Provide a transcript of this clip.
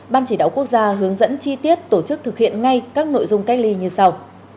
ban chỉ đạo quốc gia hướng dẫn chi tiết tổ chức thực hiện ngay các nội dung cách ly như sau